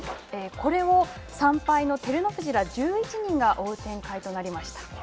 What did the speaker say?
これを３敗の照ノ富士ら１１人が追う展開となりました。